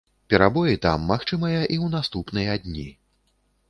Перабоі там магчымыя і ў наступныя дні.